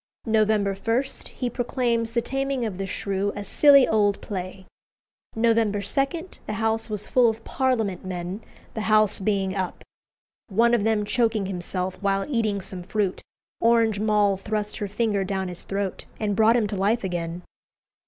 November 1, he proclaims the "Taming of the Shrew" "a silly old play." November 2, the house was full of Parliament men, the House being up. One of them choking himself while eating some fruit, Orange Moll thrust her finger down his throat and brought him to life again.